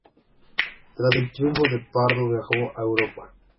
Tras el triunfo de Pardo viajó a Europa.